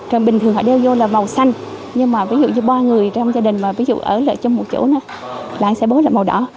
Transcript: rồi bình thường họ đeo vô là màu xanh nhưng mà ví dụ như ba người trong gia đình mà ví dụ ở lại trong một chỗ nữa là sẽ bối lại màu đỏ